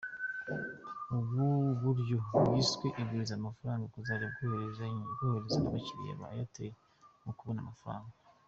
Ubu buryo bwiswe “Igurize amafaranga ” buzajya bworohereza abakiliya ba Airtel mu kubona amafaranga .